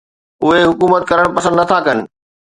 اهي حڪومت ڪرڻ پسند نٿا ڪن.